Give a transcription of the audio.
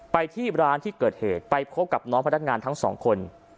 ไปที่ร้านที่เกิดเหตุไปพบกับน้องพนักงานทั้งสองคน